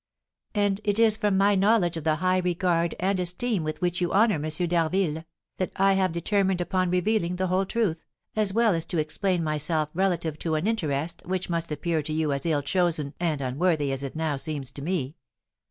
"And it is from my knowledge of the high regard and esteem with which you honour M. d'Harville, that I have determined upon revealing the whole truth, as well as to explain myself relative to an interest which must appear to you as ill chosen and unworthy as it now seems to me.